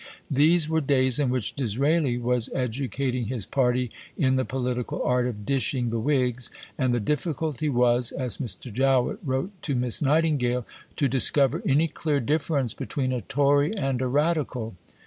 These were days in which Disraeli was educating his party in the political art of dishing the Whigs, and the difficulty was, as Mr. Jowett wrote to Miss Nightingale, to discover any clear difference between a Tory and a Radical.